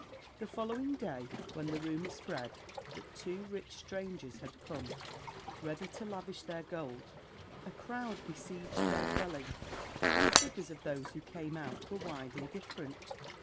The following day, when the rumour spread that two rich strangers had come, ready to lavish their gold, a crowd besieged their dwelling; but the figures of those who came out were widely different.